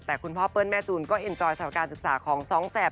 แต่คุณพ่อเปิ้ลแม่จูนก็เอ็นจอยสำหรับการศึกษาของสองแสบ